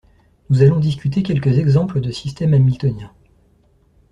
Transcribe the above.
nous allons discuter quelques exemples de systèmes hamiltoniens